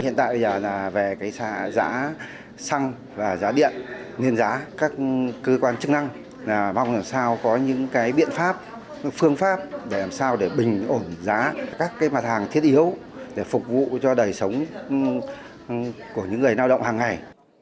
hiện tại bây giờ là về giá xăng và giá điện nguyên giá các cơ quan chức năng mong làm sao có những cái biện pháp phương pháp để làm sao để bình ổn giá các mặt hàng thiết yếu để phục vụ cho đời sống của những người lao động hàng ngày